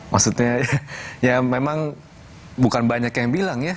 maksudnya ya memang bukan banyak yang bilang ya